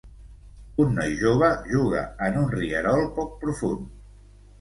Un noi jove juga en un rierol poc profund.